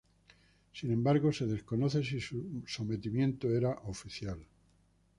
Sin embargo, se desconoce si su sometimiento era oficial.